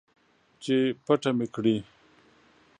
چې پټه مې کړي